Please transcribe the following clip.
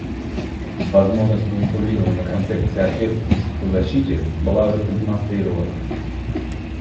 Возможность манипулирования концепцией ответственности по защите была уже продемонстрирована.